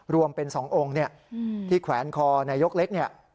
รวมเป็น๒องค์ที่แขวนคอนายกเล็กเนี่ย